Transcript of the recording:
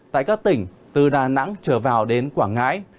tại các tỉnh từ đà nẵng trở vào đến quảng ngãi